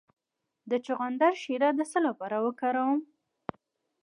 د چغندر شیره د څه لپاره وکاروم؟